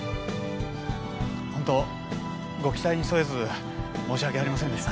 ホントご期待に沿えず申し訳ありませんでした。